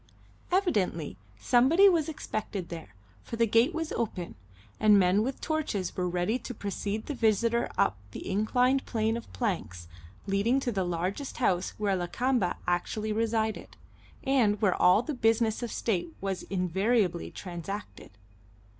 Evidently somebody was expected there, for the gate was open, and men with torches were ready to precede the visitor up the inclined plane of planks leading to the largest house where Lakamba actually resided, and where all the business of state was invariably transacted.